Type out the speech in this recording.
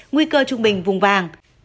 nguy cơ trung bình vùng vàng